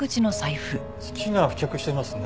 土が付着していますね。